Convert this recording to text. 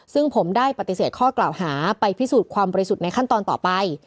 ซึ่งผมได้ปฏิเสธข้อกล่าวหาไปพิสูจน์ความบริสุทธิ์ในขั้นตอนต่อไป